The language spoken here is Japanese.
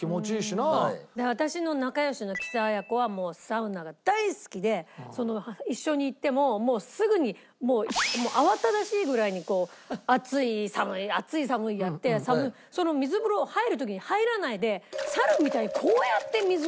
私の仲良しの木佐彩子はもうサウナが大好きで一緒に行ってももうすぐに慌ただしいぐらいに暑い寒い暑い寒いやって水風呂を入る時に入らないで猿みたいにこうやって水を浴びるの。